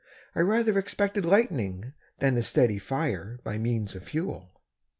I rather expected lightning, than a steady fire by means of fuel."